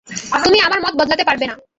তুমি আমার মত বদলাতে পারবে না।